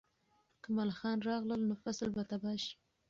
که ملخان راغلل، نو فصل به تباه شي.